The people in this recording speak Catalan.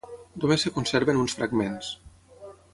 Només es conserven uns fragments.